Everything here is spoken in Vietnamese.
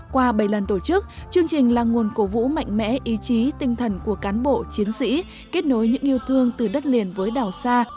qua bảy lần tổ chức chương trình là nguồn cổ vũ mạnh mẽ ý chí tinh thần của cán bộ chiến sĩ kết nối những yêu thương từ đất liền với đảo xa